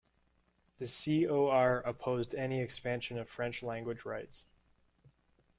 The CoR opposed any expansion of French language rights.